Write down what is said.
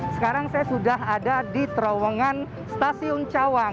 sekarang saya sudah ada di terowongan stasiun cawang